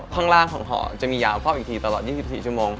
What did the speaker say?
ข้างล่างของหอจะมียาวเฝ้าอีกทีตลอด๒๔ชั่วโมง